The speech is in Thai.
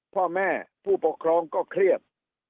พ่อแม่ผู้ปกครองก็เครียด